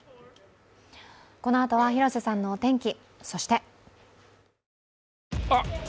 このあとは広瀬さんのお天気。